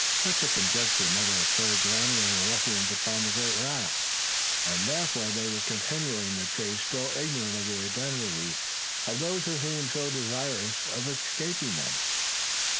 Such a conjecture never occurred to any of the ruffians upon the great raft; and therefore they were continuing the chase still ignorant of the identity of those who seemed so desirous of escaping them.